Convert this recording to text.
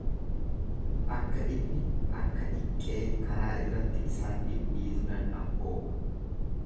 Akka inni akka dhiqqee karaa irratti isaan dhidhiitu nan abbooma.